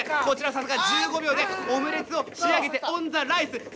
こちらさすが１５秒でオムレツを仕上げてオンザライス！